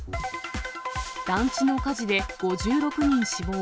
団地の火事で５６人死亡。